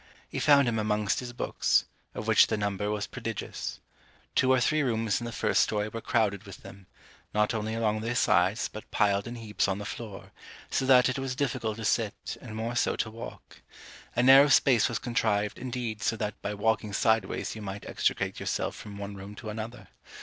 He found him amongst his books, of which the number was prodigious. Two or three rooms in the first story were crowded with them, not only along their sides, but piled in heaps on the floor; so that it was difficult to sit, and more so to walk. A narrow space was contrived, indeed, so that by walking sideways you might extricate yourself from one room to another.